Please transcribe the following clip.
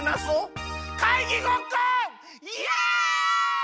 イエイ！